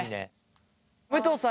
武藤さん